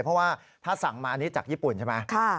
เพราะว่าถ้าสั่งมาอันนี้จากญี่ปุ่นใช่ไหม